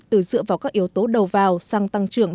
từ dựa vào các yếu tố đầu vào sang tăng trưởng